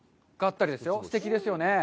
すてきですよね。